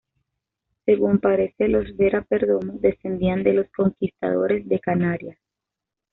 Según parece los Vera Perdomo descendían de los conquistadores de Canarias.